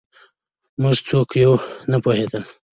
موږ څوک یو نه پوهېدل